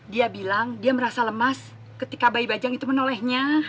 dia bilang dia merasa lemas ketika bayi bajang itu menolehnya